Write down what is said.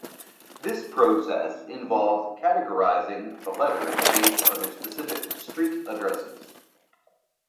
This process involves categorizing the letters based on their specific street addresses.